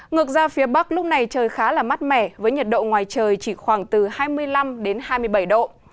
ngược ra phía bắc lúc này trời khá là mát mẻ với nhiệt độ ngoài trời chỉ khoảng từ hai mươi năm đến hai mươi bảy độ